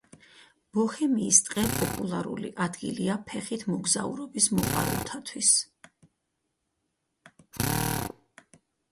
ბოჰემიის ტყე პოპულარული ადგილია ფეხით მოგზაურობის მოყვარულთათვის.